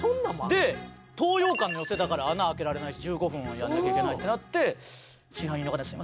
で東洋館の寄席だから穴開けられないし１５分はやらなきゃいけないってなって支配人の方に「すいません。